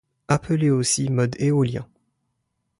Appelée aussi mode éolien.